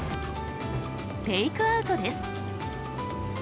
テイクアウトです。